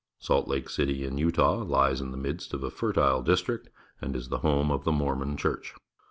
Salt Lake City in I'tah hes in the midst of a fertile district and is the home of the Mormon Church.